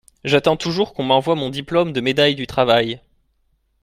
J'attends toujours qu'on m'envoie mon diplôme de médaille du travail.